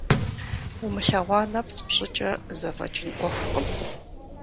Умылъэгъуа нэпцӀ пщӏыкӏэ зэфӏэкӏын ӏуэхукъым.